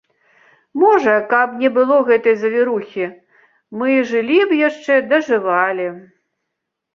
Можа, каб не было гэтай завірухі, мы і жылі б яшчэ, дажывалі.